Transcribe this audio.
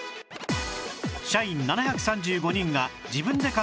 社員７３５人が自分で買った便利グッズ